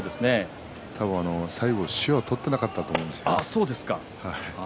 多分最後、塩を取っていなかったと思うんですね。